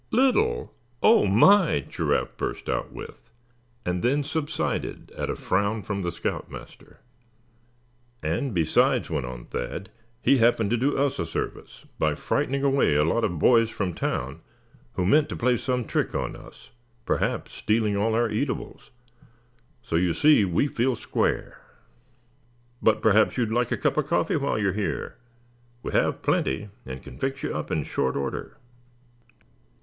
"Little, oh, my!" Giraffe burst out with; and then subsided at a frown from the scout master. "And besides," went on Thad, "he happened to do us a service by frightening away a lot of boys from town who meant to play some trick on us, perhaps stealing all our eatables; so you see we feel square. But perhaps you'd like to have a cup of coffee while you're here? We have plenty, and can fix you up in short order."